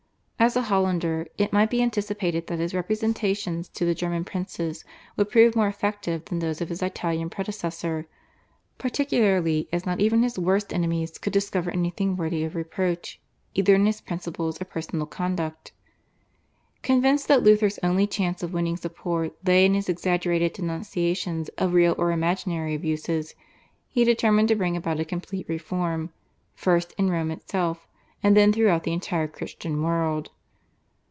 As a Hollander it might be anticipated that his representations to the German princes would prove more effective than those of his Italian predecessor, particularly as not even his worst enemies could discover anything worthy of reproach either in his principles or personal conduct. Convinced that Luther's only chance of winning support lay in his exaggerated denunciations of real or imaginary abuses, he determined to bring about a complete reform, first in Rome itself and then throughout the entire Christian world.